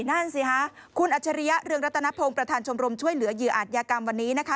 นั่นสิค่ะคุณอัจฉริยะเรืองรัตนพงศ์ประธานชมรมช่วยเหลือเหยื่ออาจยากรรมวันนี้นะคะ